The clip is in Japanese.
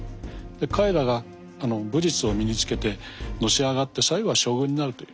彼らが武術を身につけてのし上がって最後は将軍になるという。